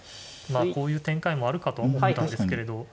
まあこういう展開もあるかと思ってたんですけれど。